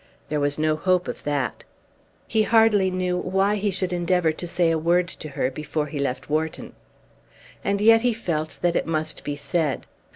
There was no hope of that. He hardly knew why he should endeavour to say a word to her before he left Wharton. And yet he felt that it must be said.